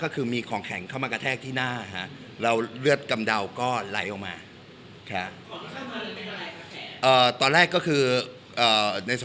ก็คือมีของแข็งเข้ามากระแทกที่หน้าฮะแล้วเลือดกำเดาก็ไหลออกมาค่ะ